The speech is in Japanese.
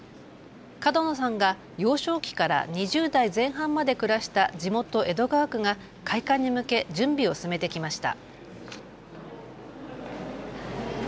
角野さんが幼少期から２０代前半まで暮らした地元、江戸川区が開館に向け準備を進めてきました。